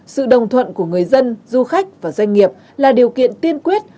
sự đồng thuận của người dân du khách và doanh nghiệp là điều kiện tiên quyết